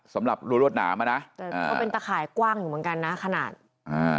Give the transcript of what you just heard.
สำหรับรัวรวดหนามอะนะอ่าเขาเป็นตาข่ายกว้างอยู่เหมือนกันนะขนาดอ่า